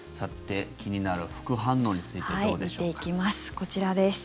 気になる副反応についてどうでしょうか。